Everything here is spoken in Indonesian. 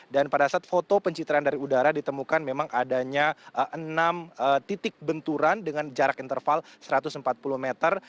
dan pada saat foto pencitraan dari udara ditemukan memang adanya enam titik benturan dengan jarak interval satu ratus empat puluh meter